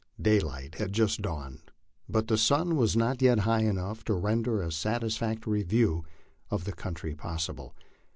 Daylight had just dawned, but the sun was not yet high enough to render a satisfactory view of the country possible.